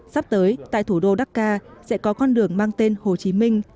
sắp tới tại thủ đô dakar sẽ có con đường mang tên hồ chí minh